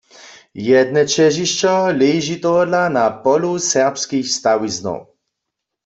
Jedne ćežišćo leži tohodla na polu serbskich stawiznow.